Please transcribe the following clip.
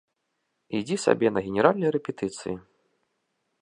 Ідзі сабе на генеральныя рэпетыцыі!